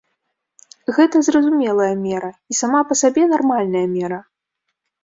Гэта зразумелая мера, і сама па сабе нармальная мера.